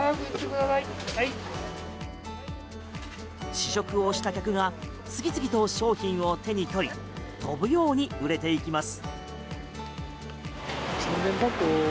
試食をした客が次々と商品を手に取り飛ぶように売れていきます。